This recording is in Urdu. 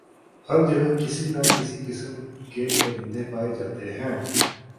ہر جگہ کسی نہ کسی قسم کے پرندے پائے جاتے ہیں